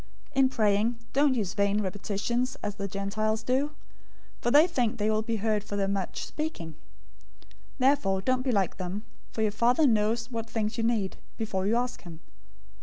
006:007 In praying, don't use vain repetitions, as the Gentiles do; for they think that they will be heard for their much speaking. 006:008 Therefore don't be like them, for your Father knows what things you need, before you ask him.